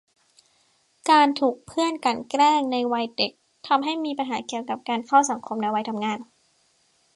การถูกเพื่อนกลั่นแกล้งในวัยเด็ก ทำให้มีปัญหาเกี่ยวกับการเข้าสังคมในวัยทำงาน